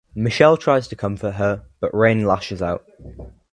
Michelle tries to comfort her but Rain lashes out.